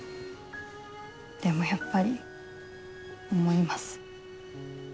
でもやっぱり思います。